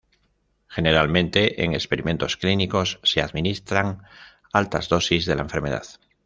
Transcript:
Generalmente, en experimentos clínicos, se administran altas dosis de la enfermedad.